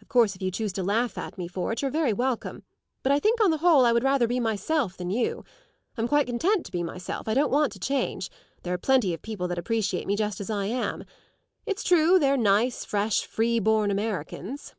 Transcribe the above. Of course if you choose to laugh at me for it you're very welcome; but I think on the whole I would rather be myself than you. I'm quite content to be myself; I don't want to change. There are plenty of people that appreciate me just as I am. It's true they're nice fresh free born Americans!"